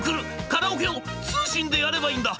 カラオケを通信でやればいいんだ」。